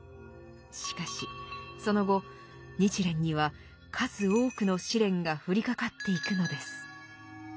しかしその後日蓮には数多くの試練が降りかかっていくのです。